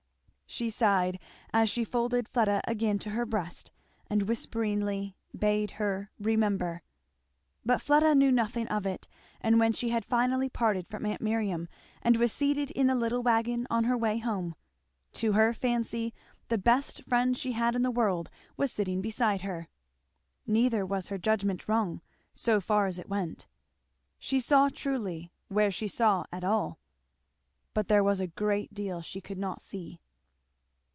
She sighed as she folded Fleda again to her breast and whisperingly bade her "Remember!" But Fleda knew nothing of it; and when she had finally parted from aunt Miriam and was seated in the little wagon on her way home, to her fancy the best friend she had in the world was sitting beside her. Neither was her judgment wrong, so far as it went. She saw true where she saw at all. But there was a great deal she could not see.